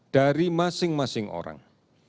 dari masing masing orang